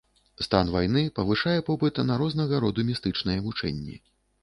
Стан вайны павышае попыт на рознага роду містычныя вучэнні.